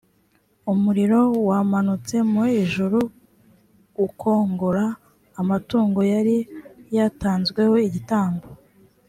umuriro wamanutse mu ijuru ukongora amatungo yari yatanzweho igitambo